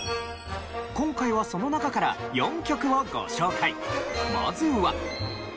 今回はその中から４曲をご紹介。